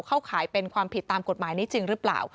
ขายเป็นความผิดตามกฎหมายนี้จริงหรือเปล่า